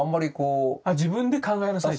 あ「自分で考えなさい」と。